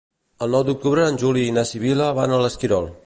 El nou d'octubre en Juli i na Sibil·la van a l'Esquirol.